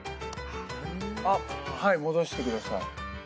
あっはい戻してください。